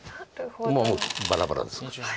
もうバラバラです。